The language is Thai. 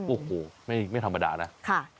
โอ้โหไม่ธรรมดานะ